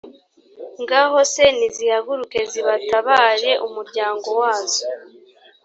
ngaho se nizihaguruke zibatabare umuryango wazo.